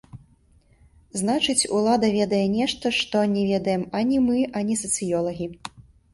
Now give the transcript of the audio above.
Значыць, улада ведае нешта, што не ведаем ані мы, ані сацыёлагі.